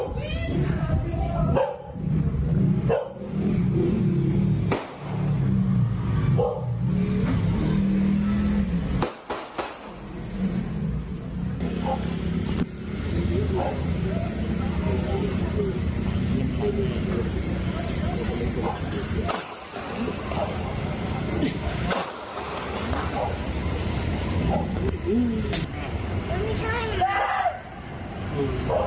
วิทยาลัยศาสตรี